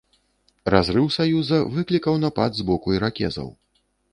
Разрыў саюза выклікаў напад з боку іракезаў.